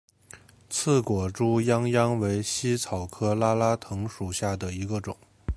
刺果猪殃殃为茜草科拉拉藤属下的一个种。